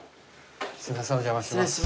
すいませんお邪魔します。